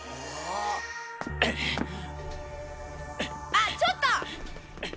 あっちょっと！